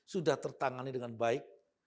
sudah tertangani dengan baik